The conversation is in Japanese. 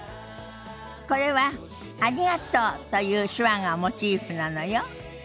これは「ありがとう」という手話がモチーフなのよ。